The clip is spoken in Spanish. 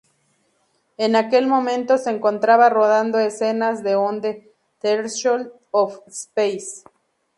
En aquel momento se encontraba rodando escenas de "On the Threshold of Space".